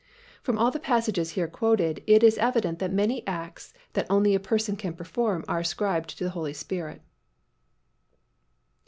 From all the passages here quoted, it is evident that many acts that only a person can perform are ascribed to the Holy Spirit.